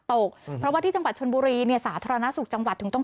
ตกเพราะว่าที่จังหวัดชนบุรีเนี่ยสาธารณสุขจังหวัดถึงต้อง